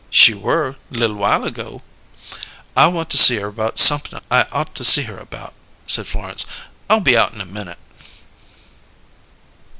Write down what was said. "She were, li'l while ago." "I want to see her about somep'n I ought to see her about," said Florence. "I'll be out in a minute."